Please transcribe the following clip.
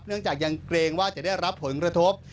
เนื่องจากยังเกรงว่าจะได้รับผลละทบ